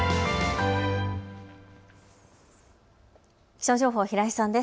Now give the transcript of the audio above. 気象情報、平井さんです。